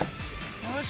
よし。